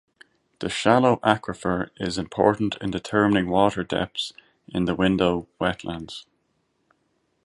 The shallow aquifer is important in determining water depths in the ‘window’ wetlands.